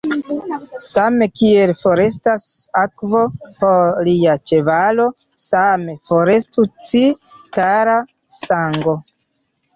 Same kiel forestas akvo por lia ĉevalo, same forestu ci, kara sango!